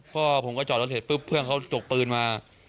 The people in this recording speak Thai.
พ่อผมก็จอดรถเสร็จปุ๊บเพื่อนเขาจกปืนมา